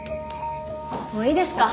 もういいですか？